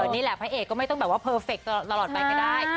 นี่แหละพระเอกก็ไม่ต้องแบบว่าเพอร์เฟคตลอดไปก็ได้